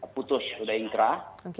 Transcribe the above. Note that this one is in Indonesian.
putus sudah ingkrah